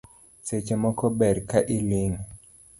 Seche moko ber ka iling